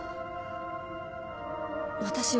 私は。